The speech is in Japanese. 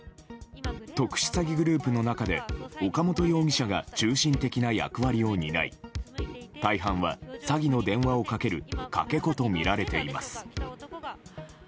特殊詐欺グループの中で岡本容疑者が中心的な役割を担い大半は詐欺の電話をかけるかけ子とみられています。